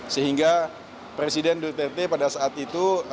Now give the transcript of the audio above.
sehingga presiden duterte pada saat itu